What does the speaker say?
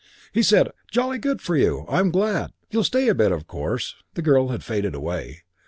He said, 'Jolly good of you. I am glad. You'll stay a bit, of course.' The girl had faded away.